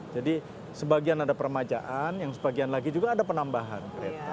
jadi sebagian ada peremajaan yang sebagian lagi juga ada penambahan kereta